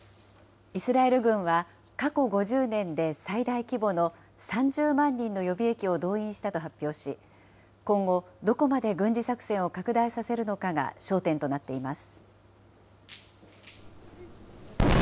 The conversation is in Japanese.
イスラエル軍は、過去５０年で最大規模の３０万人の予備役を動員したと発表し、今後、どこまで軍事作戦を拡大させるのかが焦点となっています。